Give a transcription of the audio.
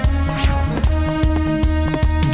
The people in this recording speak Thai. แม่บ้าประจันบรรย์